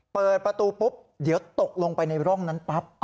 เปิดประตูปุ๊บเดี๋ยวตกลงไปในร่องนั้นปั๊บ